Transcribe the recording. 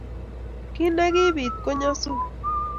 Kit ne kibit ko nyosut